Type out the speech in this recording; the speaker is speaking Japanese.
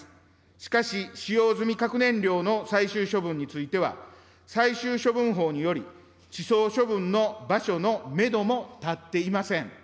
しかし、使用済み核燃料の最終処分については、最終処分法により、地層処分の場所のメドも立っていません。